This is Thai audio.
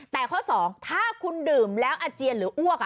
แต่ข้อ๒ถ้าคุณดื่มแล้วอาเจียนหรืออ้วก